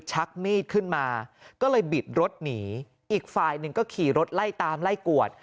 ชักมีดขึ้นมาก็เลยบิดรถหนีอีกฝ่ายหนึ่งก็ขี่รถไล่ตามไล่กวด